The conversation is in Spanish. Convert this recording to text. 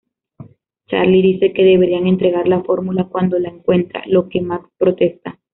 Charlie dice que deberían entregar la fórmula cuando la encuentren, lo que Max protesta.